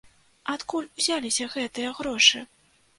Адкуль узяліся гэтыя грошы?